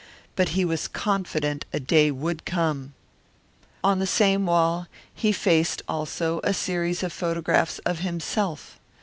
But he was confident a day would come. On the same wall he faced also a series of photographs of himself.